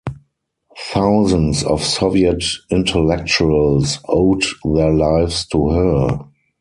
Thousands of Soviet intellectuals owed their lives to her.